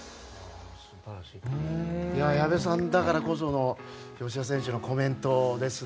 矢部さんだからこその吉田選手のコメントですね。